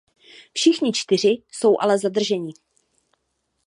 Všichni čtyři jsou ale zadrženi.